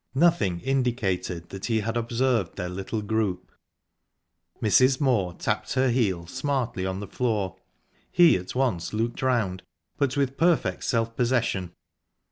Nothing indicated that he had observed their little group. Mrs. Moor tapped her heel smartly on the floor. He at once looked round, but with perfect self possession.